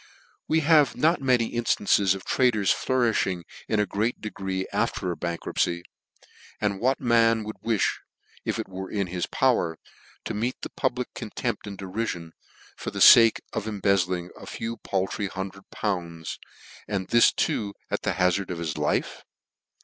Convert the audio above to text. We have not many inftances of traders flourishing in a great degree, after a bankruptcy : and what man would wi(h, if it were in his power, to meet the public contempt and derifion, for the fake of embezzling a few paltry hundred pounds, an'd this too, at the hazard of his life